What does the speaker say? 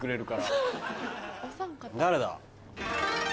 誰だ？